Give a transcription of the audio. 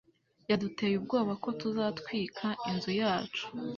Yaduteye ubwoba ko tuzatwika inzu yacu.